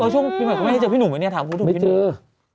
ช่วงปีไหมคุณแม่เจอพี่หนูไหมถามพูดถึงพี่หนู